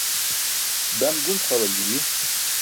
dan gunc xa waljibi